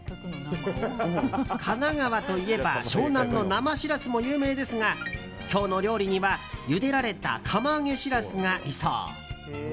神奈川といえば湘南の生シラスも有名ですが今日の料理にはゆでられた釜揚げシラスが理想。